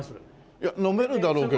いや飲めるだろうけど。